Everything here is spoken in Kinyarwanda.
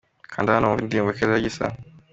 Kanda hano wumve indirimbo Keza ya Gisa.